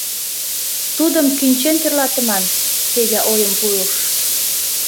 — Тудым кӱнчен тӧрлатыман, — Федя ойым пуыш.